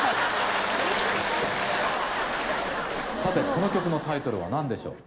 さてこの曲のタイトルは何でしょう